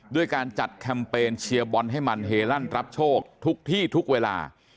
ด้วยการจัดแคมเปญเชียร์บอลให้มันเฮลั่นรับโชคทุกที่ทุกเวลา